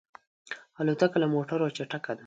الوتکه له موټرو چټکه ده.